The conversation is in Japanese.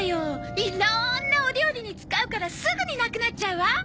いろんなお料理に使うからすぐになくなっちゃうわ！